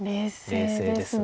冷静です。